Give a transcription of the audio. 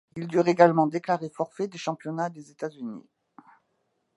Ils durent également déclarer forfait des championnats des États-Unis.